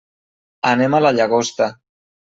Anem a la Llagosta.